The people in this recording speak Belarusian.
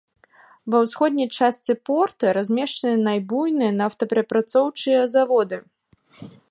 Ва ўсходняй частцы порта размешчаныя найбуйныя нафтаперапрацоўчыя заводы.